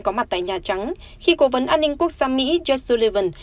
có mặt tại nhà trắng khi cố vấn an ninh quốc gia mỹ jak sullivan